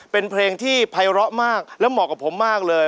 เป็นเพลงที่ภัยร้อมากและเหมาะกับผมมากเลย